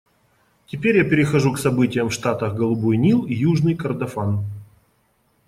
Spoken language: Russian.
Теперь я перехожу к событиям в штатах Голубой Нил и Южный Кордофан.